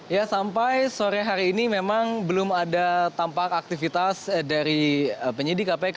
ya sampai sore hari ini memang belum ada tampak aktivitas dari penyidik kpk